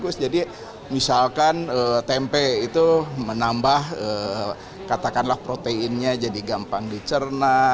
bagus jadi misalkan tempe itu menambah katakanlah proteinnya jadi gampang dicerna